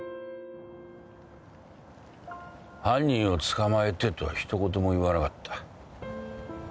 犯人を捕まえてとは一言も言わなかった。